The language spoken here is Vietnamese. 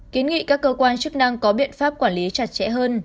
kiến nghị các cơ quan chức năng có biện pháp quản lý chặt chẽ hơn